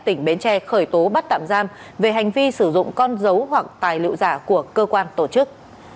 tỉnh bến tre khởi tố bắt tạm giam về hành vi sử dụng con dấu hoặc tài liệu giả của cơ quan tổ chức